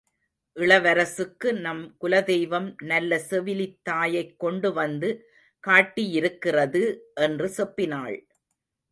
இளவரசுக்கு நம் குலதெய்வம் நல்ல செவிலித்தாயைக் கொண்டு வந்து காட்டியிருக்கிறது! என்று செப்பினாள்.